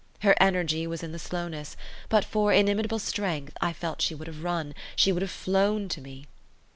Her energy was in the slowness; but for inimitable strength, I felt she would have run, she would have flown to me.